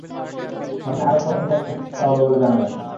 সামনে আরও কয়েক হাজার নার্স নিয়োগ করা হবে বলে জানা গেছে।